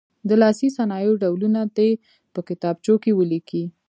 د لاسي صنایعو ډولونه دې په کتابچو کې ولیکي.